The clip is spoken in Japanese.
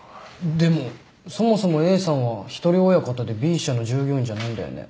でもそもそもＡさんは一人親方でＢ社の従業員じゃないんだよね。